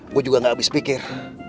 gua juga ga abis pikir